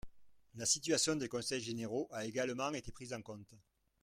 La situation des conseils généraux a également été prise en compte.